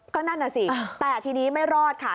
ก็นั่นน่ะสิแต่ทีนี้ไม่รอดค่ะ